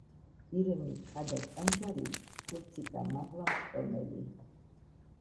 „ირემი, თხა და კანჯარი, ქურციკა მაღლა მხტომელი.